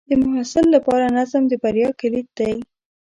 د محصل لپاره نظم د بریا کلید دی.